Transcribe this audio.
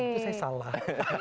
itu saya salah